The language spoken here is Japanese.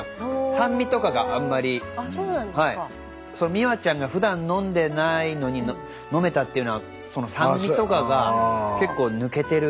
ｍｉｗａちゃんがふだん飲んでないのに飲めたっていうのはその酸味とかが結構抜けてるから。